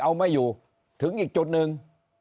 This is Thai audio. เอาไม่อยู่ถึงอีกจุดหนึ่ง